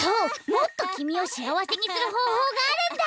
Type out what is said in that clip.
もっときみをしあわせにするほうほうがあるんだ！